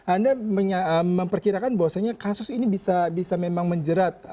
anda memperkirakan bahwasanya kasus ini bisa memang menjerat